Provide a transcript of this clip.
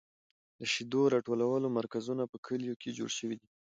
د شیدو راټولولو مرکزونه په کلیو کې جوړ شوي دي.